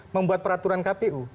membuat peraturan kpu